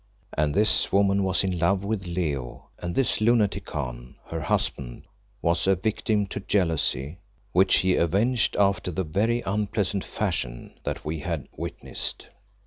And this woman was in love with Leo, and this lunatic Khan, her husband, was a victim to jealousy, which he avenged after the very unpleasant fashion that we had witnessed.